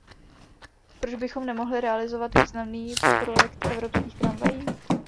Proč bychom nemohli realizovat významný projekt evropských tramvají?